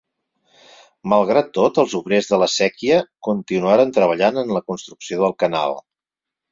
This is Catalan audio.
Malgrat tot, els obrers de la séquia continuaren treballant en la construcció del canal.